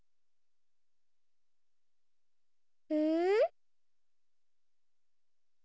うん？